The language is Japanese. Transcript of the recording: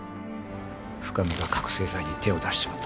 深海が覚醒剤に手を出しちまったんだ。